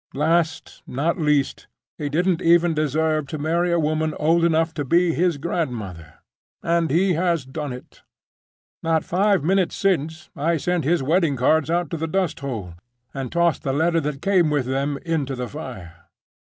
Last, not least, he didn't even deserve to marry a woman old enough to be his grandmother—and he has done it! Not five minutes since I sent his wedding cards out to the dust hole, and tossed the letter that came with them into the fire.